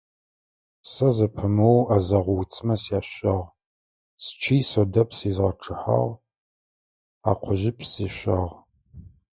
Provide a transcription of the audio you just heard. Сэ зэпымыоу ӏэзэгъу уцмэ сяшъуагъ, счый содэпс изгъэчъыхьагъ, хьакъужъыпс сешъуагъ.